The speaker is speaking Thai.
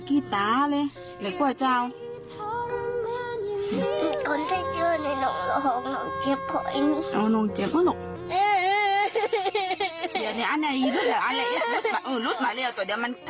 เดี๋ยวต้องเจ็บนะค่ะไม่ต้องไปโรงพยาบาลนะคะเล่น